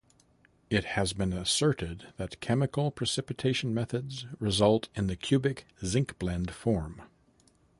It has been asserted that chemical precipitation methods result in the cubic zincblende form.